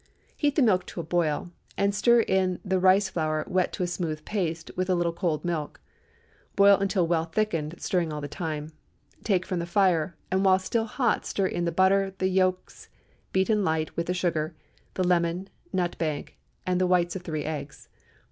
Heat the milk to a boil, and stir in the rice flour wet to a smooth paste with a little cold milk; boil until well thickened, stirring all the time. Take from the fire, and while still hot stir in the butter, the yolks beaten light with the sugar, the lemon, nutmeg, and the whites of three eggs.